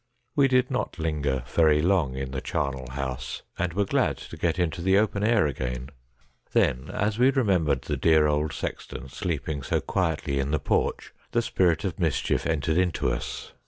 We did not linger very long in the charnel house, and were glad to get into the open air again. Then, as we remem bered the dear old sexton sleeping so quietly in the porch, the spirit of mischief entered into us.